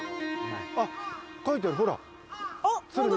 「あっ書いてある。